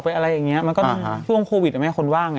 มันก็ช่วงโควิดมันก็จะไม่ให้คนว่าง